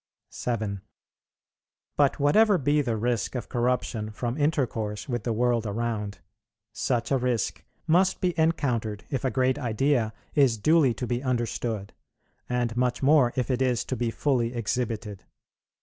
7. But whatever be the risk of corruption from intercourse with the world around, such a risk must be encountered if a great idea is duly to be understood, and much more if it is to be fully exhibited.